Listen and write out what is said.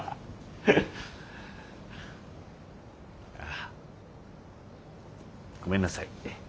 あごめんなさい。